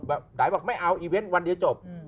อีเวนต์ไงบอกไม่เอาอีเวนต์วันเดียวจบ